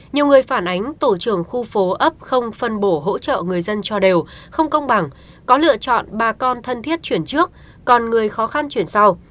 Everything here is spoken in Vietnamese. nhiều người phản ánh tổ trưởng khu phố ấp không phân bổ hỗ trợ người dân cho đều không công bằng có lựa chọn bà con thân thiết chuyển trước còn người khó khăn chuyển sau